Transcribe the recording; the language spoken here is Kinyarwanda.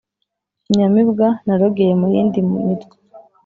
Inyamibwa narogeye mu yindi mitwe.